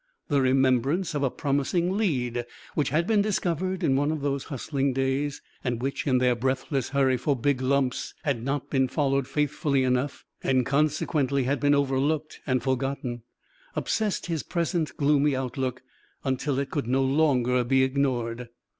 The remembrance of a promising lead, which had been discovered in one of those hustling days and which, in their breathless hurry for big lumps, had not been followed faithfully enough, and consequently had been overlooked and forgotten, obsessed his present gloomy outlook until it could no longer be ignored.